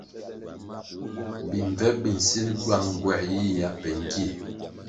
Bimbvep bi nsil gywang nğuer yiyia be ngie.